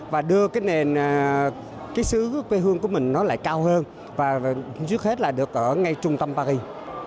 và đưa cái nền cái sứ quê hương của mình nó lại cao hơn và trước hết là được ở ngay trung tâm paris